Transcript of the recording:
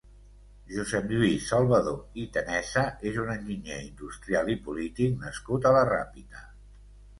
Josep Lluís Salvadó i Tenesa és un enginyer industrial i polític nascut a la Ràpita.